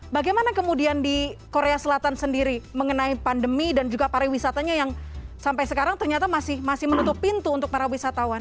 bagaimana kemudian di korea selatan sendiri mengenai pandemi dan juga pariwisatanya yang sampai sekarang ternyata masih menutup pintu untuk para wisatawan